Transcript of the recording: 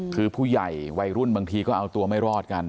คือผู้ใหญ่วัยรุ่นบางทีก็เอาตัวไม่รอดกัน